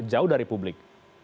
jauh dari publik